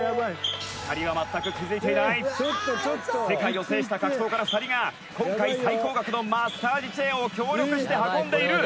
清水：「世界を制した格闘家の２人が今回、最高額のマッサージチェアを協力して運んでいる」